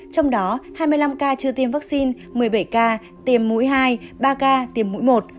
trong đó hai mươi năm ca chưa tiêm vaccine một mươi bảy ca tiềm mũi hai ba ca tiềm mũi một